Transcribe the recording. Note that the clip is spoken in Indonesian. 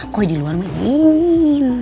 koi di luar main dingin